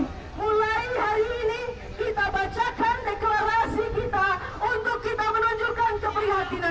mari mulai hari ini kita bacakan deklarasi kita